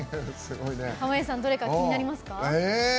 濱家さんどれか気になりますか？